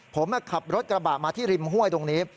ผมขับรถกระบะมาที่ริมห้วยตรงนี้